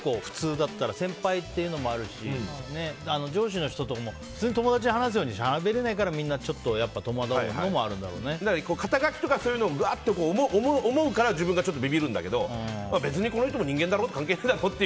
先輩というのもあるし上司の人たちも普通に友達に話すようにしゃべれないから肩書きとかそういうのを思うから自分もビビるんだけど別にこの人も人間だから関係ないだろと思って。